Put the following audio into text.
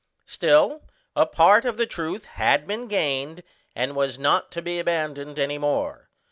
Still, a part of the truth had been gained, and was not to be abandoned any more.